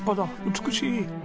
美しい！